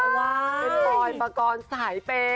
เป็นบอยปกรณ์สายเป่